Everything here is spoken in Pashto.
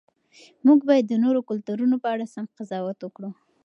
موږ باید د نورو کلتورونو په اړه سم قضاوت وکړو.